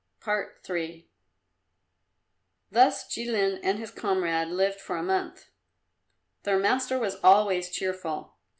III Thus Jilin and his comrade lived for a month. Their master was always cheerful.